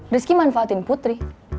rizky manfaatin putri